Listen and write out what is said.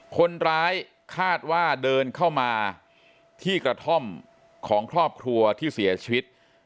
คนร้ายคาดว่าเดินเข้ามาที่กระท่อมของครอบครัวที่เสียชีวิต